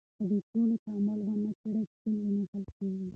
که د ډلو تعامل ونه څېړې، ستونزې نه حل کېږي.